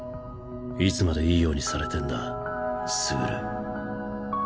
いつまでいいようにされてんだ傑。